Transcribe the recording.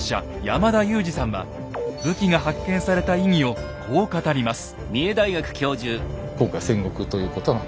山田雄司さんは武器が発見した意義をこう語ります。